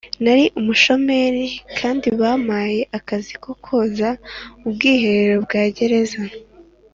nari umushomeri, kandi bampaye akazi koza ubwiherero bwa gereza.